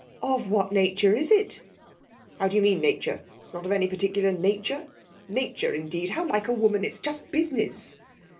'Of what nature is it?' 'How do you mean, nature? It's not of any particular nature. Nature, indeed! How like a woman! It's just business.'